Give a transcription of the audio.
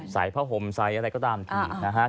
ใส่ผ้าห่มใส่อะไรก็ตามทีนะฮะ